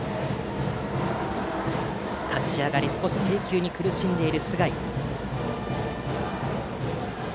立ち上がり少し制球に苦しんでいる須貝。